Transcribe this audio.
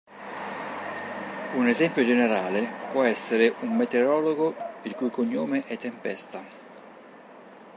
Un esempio generale può essere un meteorologo il cui cognome è Tempesta.